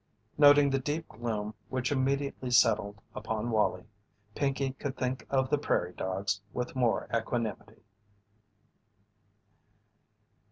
Noting the deep gloom which immediately settled upon Wallie, Pinkey could think of the prairie dogs with more equanimity.